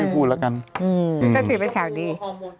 ก็คือเป็นข่าวดี